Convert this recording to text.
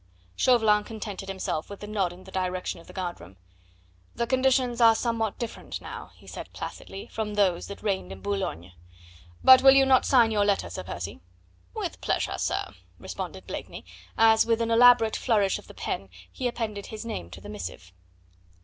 Chauvelin contented himself with a nod in the direction of the guard room. "The conditions are somewhat different now," he said placidly, "from those that reigned in Boulogne. But will you not sign your letter, Sir Percy?" "With pleasure, sir," responded Blakeney, as with an elaborate flourish of the pen he appended his name to the missive.